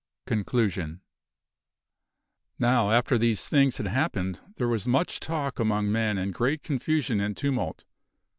CONCLUSION Now after these things had happened there was much talk among men and great confusion and tumult.